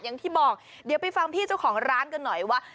อย่างที่บอกเดี๋ยวไปฟังพี่เจ้าของร้านกันหน่อยว่า